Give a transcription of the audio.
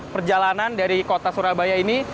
perjalanan dari kota surabaya ini